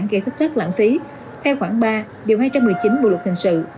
gây thất thoát lãng phí theo khoảng ba điều hai trăm một mươi chín bộ luật hình sự